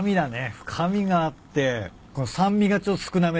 深みがあって酸味がちょっと少なめで。